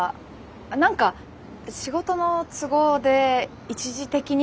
何か仕事の都合で一時的に？みたいな。